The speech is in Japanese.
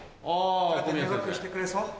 入学してくれそう？